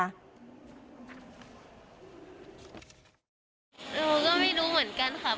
หนูก็ไม่รู้เหมือนกันค่ะ